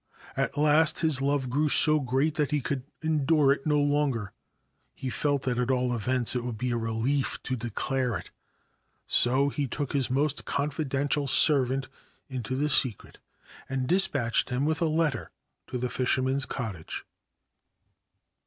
At last his love grew so great that he could endure it no longer. He felt that at all events it would be a relief to declare it. So he took his most confidential servant into the secret, and despatched him with a letter to the fisherman's cottage.